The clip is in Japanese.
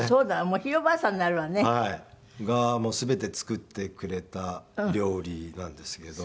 もうひいおばあさんになるわね。が全て作ってくれた料理なんですけど。